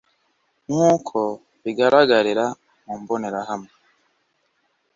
nk'uko bigaragarira mu mbonerahamwe